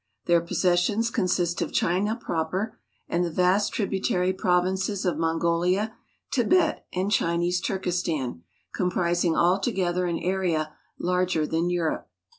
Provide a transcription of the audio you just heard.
Their possessions consist of China proper and the vast tributary provinces of Mongolia, Tibet, and Chinese Turkestan, comprising all together an area larger than Eu rope.